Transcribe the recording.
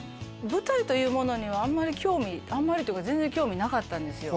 舞台というものにはあんまり興味あんまりというか全然興味なかったんですよ